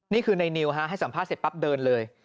นี่คือในนิวให้สัมภาษณ์เสร็จปั๊บเดินเลย